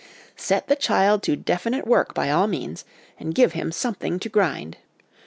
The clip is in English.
Set the child to definite work by all means, and give him something to grind.